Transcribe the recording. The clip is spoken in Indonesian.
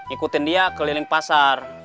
ikutin dia keliling pasar